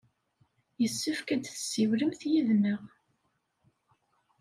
Yessefk ad tessiwlemt yid-neɣ.